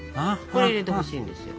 これ入れてほしいんですよ。